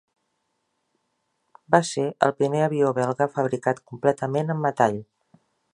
Va ser el primer avió belga fabricat completament amb metall.